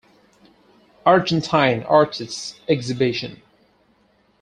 Argentine Artists Exhibition.